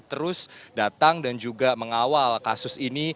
terus datang dan juga mengawal kasus ini